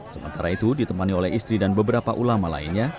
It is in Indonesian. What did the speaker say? sementara itu ditemani oleh istri dan beberapa ulama lainnya